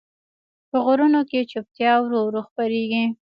په غرونو کې چوپتیا ورو ورو خپرېږي.